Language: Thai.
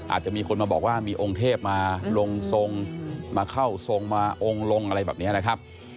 อาจจะมีคนมาบอกว่ามีองค์เทพมาลงทรงมาเข้าทรงมาองค์ลงอะไรแบบนี้นะครับ